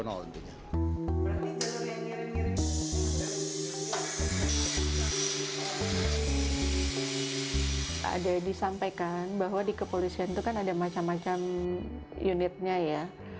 ada disampaikan bahwa di kepolisian itu kan ada macam macam unitnya ya